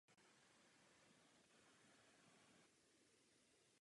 Nachází se v odlehlé části galaxie ve Vnějším pásu na okraji veškerého zájmu.